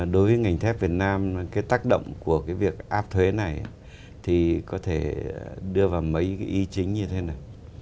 đối với ngành thép việt nam cái tác động của cái việc áp thuế này thì có thể đưa vào mấy cái ý chính như thế này